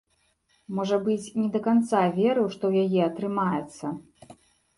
Можа быць, не да канца верыў, што ў яе атрымаецца.